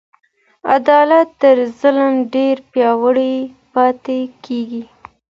عدالت تر ظلم ډیر پیاوړی پاته کیږي.